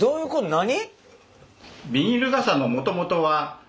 何？